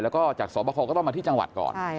แล้วก็จากสอบคอก็ต้องมาที่จังหวัดก่อน